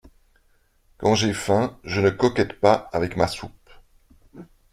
Quand j’ai faim, je ne coquette pas avec ma soupe !